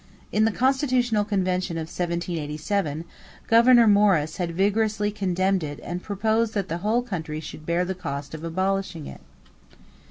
In the constitutional convention of 1787, Gouverneur Morris had vigorously condemned it and proposed that the whole country should bear the cost of abolishing it.